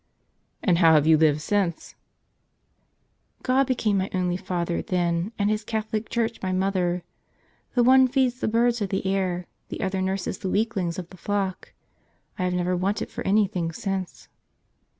" And how have you lived since ?" "God became my only Father then, and His Catholic Church my mother. The one feeds the birds of the air, the other nurses the weaklings of the flock. I have never wanted for any thing since."